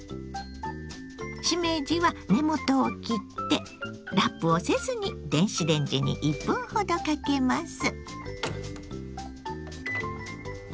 しめじは根元を切ってラップをせずに電子レンジに１分ほどかけます。